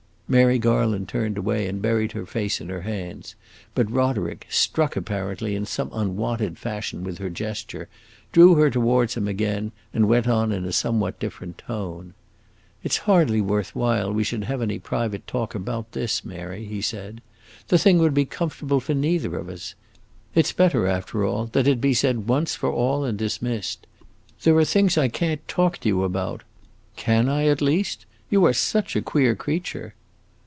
Mary Garland turned away and buried her face in her hands; but Roderick, struck, apparently, in some unwonted fashion with her gesture, drew her towards him again, and went on in a somewhat different tone. "It 's hardly worth while we should have any private talk about this, Mary," he said. "The thing would be comfortable for neither of us. It 's better, after all, that it be said once for all and dismissed. There are things I can't talk to you about. Can I, at least? You are such a queer creature!"